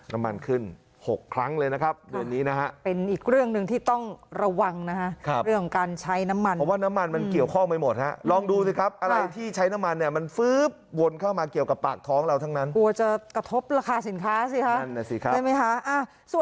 น้ำมันขึ้น๖ครั้งเลยนะครับเดือนนี้นะฮะเป็นอีกเรื่องหนึ่งที่ต้องระวังนะฮะเรื่องการใช้น้ำมันเพราะว่าน้ำมันมันเกี่ยวข้องไปหมดฮะลองดูสิครับอะไรที่ใช้น้ำมันเนี่ยมันฟื๊บวนเข้ามาเกี่ยวกับปากท้องเราทั้งนั้นกลัวจะกระทบราคาสินค้าสิฮะนั่นน่ะสิครับใช่ไหมคะ